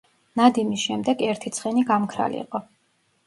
ნადიმის შემდეგ ერთი ცხენი გამქრალიყო.